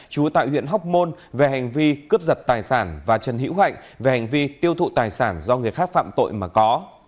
chú tại huyện hóc môn về hành vi cướp giật tài sản và trần hữu hạnh về hành vi tiêu thụ tài sản do người khác phạm tội mà có